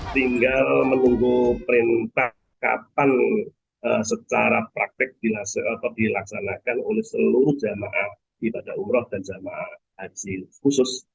tinggal menunggu perintah kapan secara praktek dilaksanakan oleh seluruh jamaah ibadah umroh dan jamaah haji khusus